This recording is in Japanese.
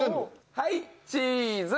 はいチーズ！